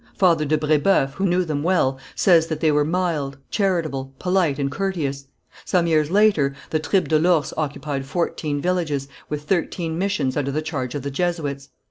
Father de Brébeuf, who knew them well, says that they were mild, charitable, polite and courteous. Some years later, the tribe de l'Ours occupied fourteen villages, with thirteen missions under the charge of the Jesuits.